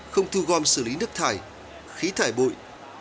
không thu gom xử lý nước thải khí thải bụi